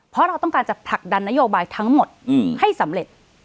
เพราะเราต้องการจะผลักดันนโยบายทั้งหมดให้สำเร็จ